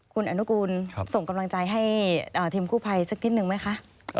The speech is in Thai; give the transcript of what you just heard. คุณอนุกูลส่งกำลังใจให้ทีมกู้ภัยสักนิดนึงไหมคะ